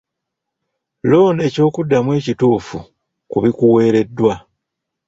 Londa eky'okuddamu ekituufu ku bikuweereddwa.